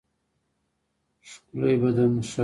ښکلی بدن ښه دی.